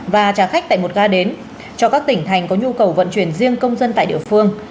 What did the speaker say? và trả khách tại một ga đến cho các tỉnh thành có nhu cầu vận chuyển riêng công dân tại địa phương